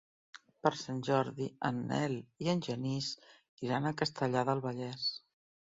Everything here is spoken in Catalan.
Per Sant Jordi en Nel i en Genís iran a Castellar del Vallès.